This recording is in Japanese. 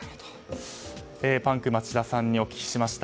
パンク町田さんにお聞きしました。